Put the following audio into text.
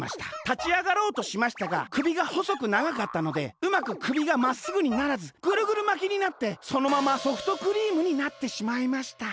たちあがろうとしましたがくびがほそくながかったのでうまくくびがまっすぐにならずぐるぐるまきになってそのままソフトクリームになってしまいました。